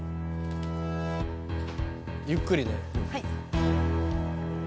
ゆっくりね。